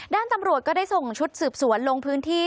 ด้านตำรวจก็ได้ส่งชุดสืบสวนลงพื้นที่